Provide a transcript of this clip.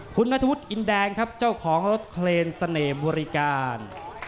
คุณนัทธวุฒิอินแดงครับเจ้าของรถเคลนเสน่ห์บริการ